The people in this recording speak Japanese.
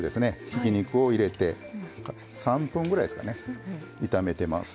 ひき肉を入れて３分ぐらいですかね炒めてます。